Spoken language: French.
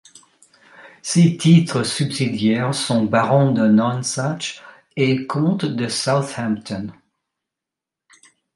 Ses titres subsidiaire sont baron de Nonsuch et comte de Southampton.